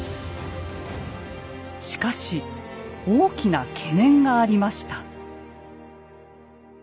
しかし大きな懸念がありました。